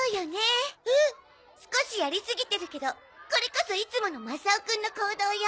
少しやりすぎてるけどこれこそいつものマサオくんの行動よ。